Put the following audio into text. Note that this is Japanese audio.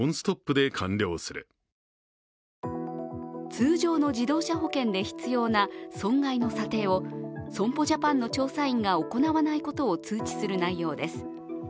通常の自動車保険で必要な損害の査定を損保ジャパンの調査員が行わないことを通知する内容です。